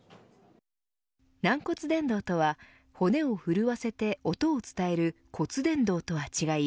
軟骨伝導とは骨を震わせて音を伝える骨伝導とは違い